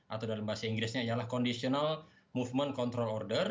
atau dalam bahasa inggrisnya ialah conditional movement control order